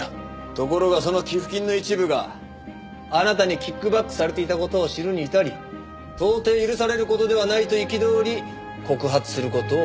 ところがその寄付金の一部があなたにキックバックされていた事を知るに至り到底許される事ではないと憤り告発する事を決めたと。